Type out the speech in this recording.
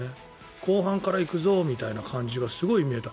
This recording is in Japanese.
後半から行くぞみたいな感じがすごく見えた。